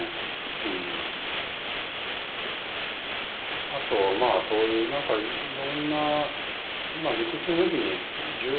うんあとはまあそういう何かいろんなまあ